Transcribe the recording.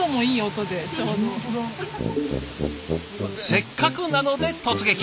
せっかくなので突撃。